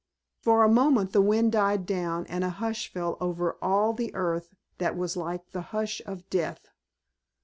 For a moment the wind died down and a hush fell over all the earth that was like the hush of death.